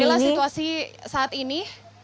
inilah situasi saat ini